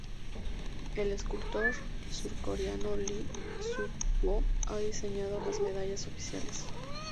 El escultor surcoreano Lee Suk-woo ha diseñado las medallas oficiales.